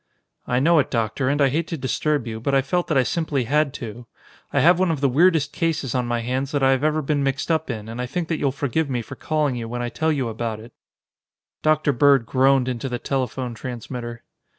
"I know it, Doctor, and I hate to disturb you, but I felt that I simply had to. I have one of the weirdest cases on my hands that I have ever been mixed up in and I think that you'll forgive me for calling you when I tell you about it." Dr. Bird groaned into the telephone transmitter.